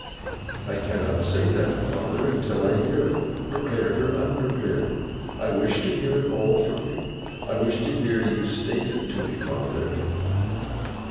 'I cannot say that, father, until I hear it. Prepared or unprepared, I wish to hear it all from you. I wish to hear you state it to me, father.